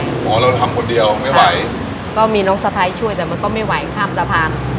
หมอเราทำคนเดียวไม่ไหวก็มีน้องสะพ้ายช่วยแต่มันก็ไม่ไหวข้ามสะพาน